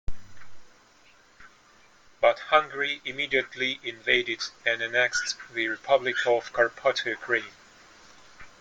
But Hungary immediately invaded and annexed the Republic of Carpatho-Ukraine.